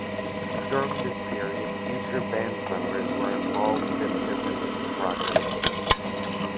During this period future band members were involved in different projects.